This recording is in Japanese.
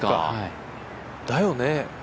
だよね？